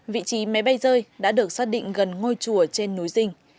vị trí máy bay rơi đã được xác định gần ngôi chùa trên núi dinh